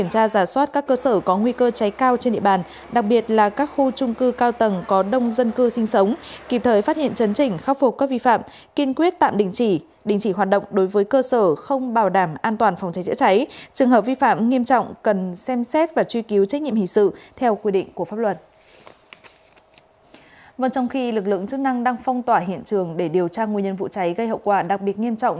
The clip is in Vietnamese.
một trong khi lực lượng chức năng đang phong tỏa hiện trường để điều tra nguyên nhân vụ cháy gây hậu quả đặc biệt nghiêm trọng